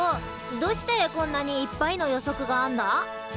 どしてこんなにいっぱいの予測があんだ？